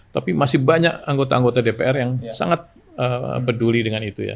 tapi masih banyak anggota anggota dpr yang sangat peduli dengan itu ya